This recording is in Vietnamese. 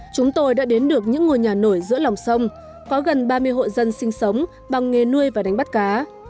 chúng tôi đã đến được những ngôi nhà nổi giữa lòng sông có gần ba mươi hộ dân sinh sống bằng nghề nuôi và đánh bắt cá